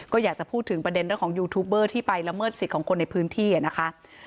ก็อยากจะพูดถึงประเด็นเรื่องของยูทูบเบอร์ที่ไปละเมิดสิทธิ์ของคนในพื้นที่นะคะ